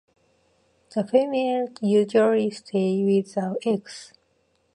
The females usually stay with the eggs.